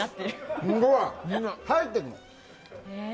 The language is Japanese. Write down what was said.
すごい。入ってくる！